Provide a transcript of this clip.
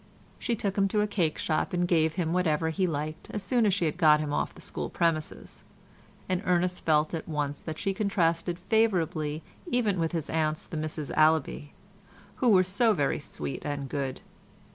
She took him to a cake shop and gave him whatever he liked as soon as she had got him off the school premises; and Ernest felt at once that she contrasted favourably even with his aunts the Misses Allaby, who were so very sweet and good.